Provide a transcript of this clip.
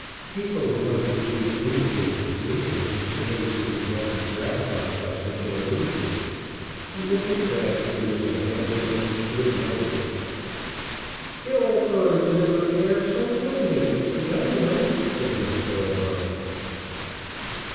People who understood anything knew that Mrs. Annesley would not be gratified by such an allusion. But Mr. Crabtree was a man who understood nothing. "The old birds never pair so readily as the young ones," said Miss Thoroughbung.